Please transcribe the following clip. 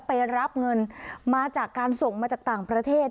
ไปรับเงินมาจากการส่งมาจากต่างประเทศ